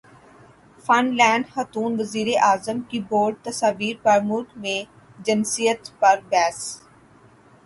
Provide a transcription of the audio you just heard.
fun land خاتون وزیراعظم کی بولڈ تصاویر پر ملک میں جنسیت پر بحث